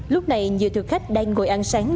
lúc này nhiều thực khách đang ngồi ăn sáng